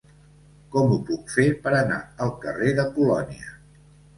Com ho puc fer per anar al carrer de Colònia?